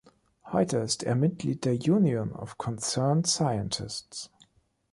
Heute ist er Mitglied der „Union of Concerned Scientists“.